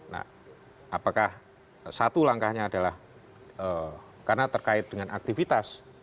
nah apakah satu langkahnya adalah karena terkait dengan aktivitas